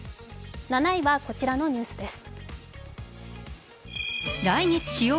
７位はこちらのニュースです。